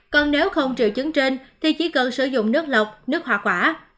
còn nếu không triệu chứng trên thì chỉ cần sử dụng nước lọc nước hoa quả